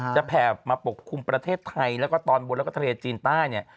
แผ่มาปกคลุมประเทศไทยแล้วก็ตอนบนแล้วก็ทะเลจีนใต้เนี่ย